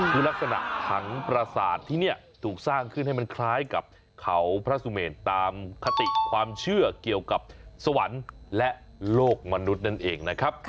คือลักษณะถังประสาทที่นี่ถูกสร้างขึ้นให้มันคล้ายกับเขาพระสุเมนตามคติความเชื่อเกี่ยวกับสวรรค์และโลกมนุษย์นั่นเองนะครับ